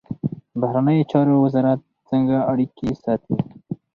بهرنیو چارو وزارت څنګه اړیکې ساتي؟